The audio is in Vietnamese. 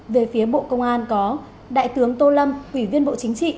về phía bộ công an có đại tướng tô lâm ủy viên bộ chính trị